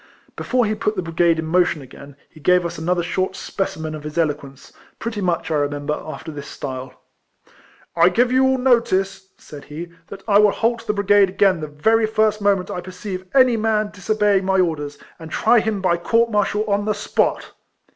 Before he put the brigade in mo tion again, he gave us another short spe 204 RECOLLECTIONS OF cimen of his eloquence, pretty much, I re member, after this style :—" I give you all notice," said he, " that I will halt the brigade again the very first moment I perceive any man disobeying my orders, and try him by court martial on the spot."